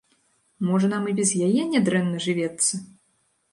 Можа нам і без яе нядрэнна жывецца?